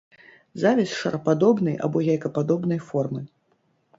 Завязь шарападобнай або яйкападобнай формы.